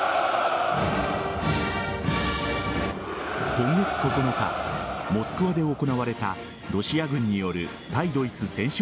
今月９日、モスクワで行われたロシア軍による対ドイツ戦勝